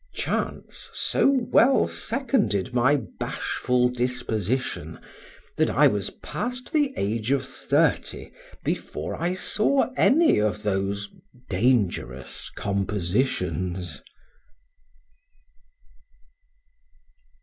Chance so well seconded my bashful disposition, that I was past the age of thirty before I saw any of those dangerous compositions.